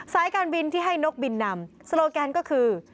สายการบินที่ให้นกบินนำโซโลแกนก็คือ